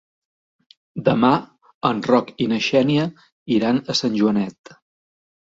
Demà en Roc i na Xènia iran a Sant Joanet.